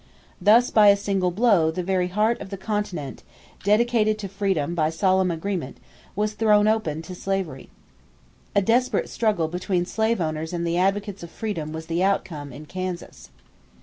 Thus by a single blow the very heart of the continent, dedicated to freedom by solemn agreement, was thrown open to slavery. A desperate struggle between slave owners and the advocates of freedom was the outcome in Kansas.